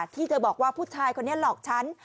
ที่เธอบอกว่าผู้ชายคนนี้หลอกฉัน